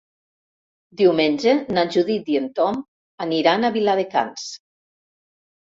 Diumenge na Judit i en Tom aniran a Viladecans.